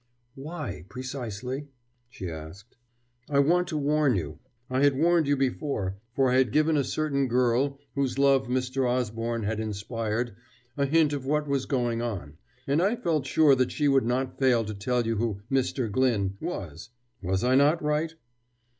"Why, precisely?" she asked. "I want to warn you. I had warned you before: for I had given a certain girl whose love Mr. Osborne has inspired a hint of what was going on, and I felt sure that she would not fail to tell you who 'Mr. Glyn' was. Was I not right?"